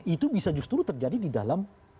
itu bisa justru terjadi di dalam